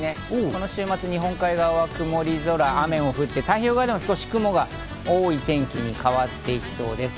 この週末、日本海側は曇り空、雨も降って太平洋側でも少し雲が多い天気に変わっていきそうです。